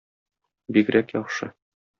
Бигрәк яхшы!